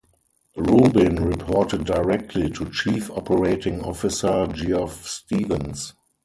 Rubin reported directly to chief operating officer Geoff Stevens.